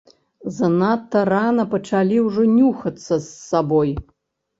Занадта рана пачалі ўжо нюхацца з сабой.